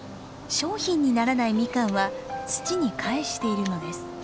商品にならないミカンは土に返しているのです。